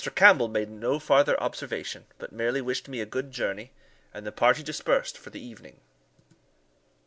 Campbell made no farther observation, but merely wished me a good journey, and the party dispersed for the evening.